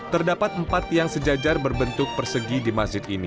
terdapat empat tiang sejajar berbentuk persegi di masjid ini